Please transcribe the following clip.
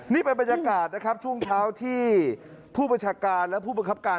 นี่เป็นบรรยากาศนะครับช่วงเช้าที่ผู้บัญชาการและผู้บังคับการ